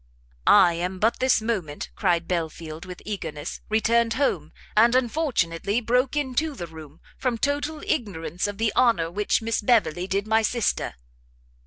"I am but this moment," cried Belfield, with eagerness, "returned home; and unfortunately broke into the room, from total ignorance of the honour which Miss Beverley did my sister."